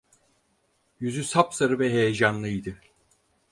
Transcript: Yüzü sapsarı ve heyecanlıydı.